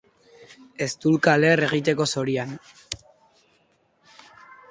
Eztulka leher egiteko zorian.